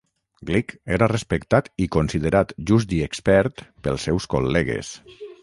Glick era respectat i considerat "just i expert" pels seus col·legues.